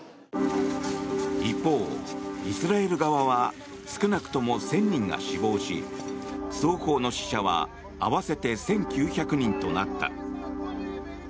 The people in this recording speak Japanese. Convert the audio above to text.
一方、イスラエル側は少なくとも１０００人が死亡し双方の死者は合わせて１９００人となった。